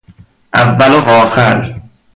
اول و آخر